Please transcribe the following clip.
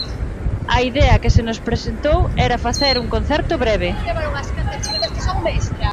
A idea que se nos presentou era facer un concerto breve.